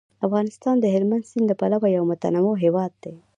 افغانستان د هلمند سیند له پلوه یو متنوع هیواد دی.